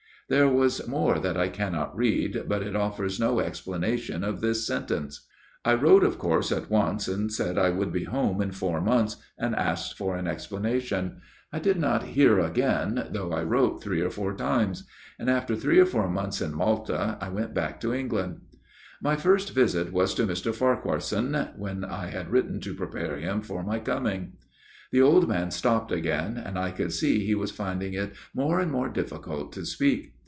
" There was more that I cannot read ; but it offers no explanation of this sentence. I wrote of course at once, and said I would be home in four months, and asked for an explanation. I did 80 A MIRROR OF SHALOTT not hear again, though I wrote three or four times ; and after three or four months in Malta I went back to England. " My first visit was to Mr. Farquharson, when I had written to prepare him for my coming." The old man stopped again, and I could see he was finding it more and more difficult to speak.